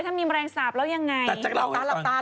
ถ้ามีแมรงสาบแล้วยังไง